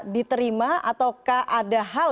diterima ataukah ada hal